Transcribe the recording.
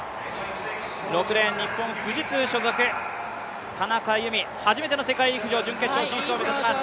６レーン、日本の富士通所属田中佑美、初めての世界陸上準決勝進出を目指します。